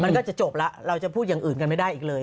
มันก็จะจบแล้วเราจะพูดอย่างอื่นกันไม่ได้อีกเลย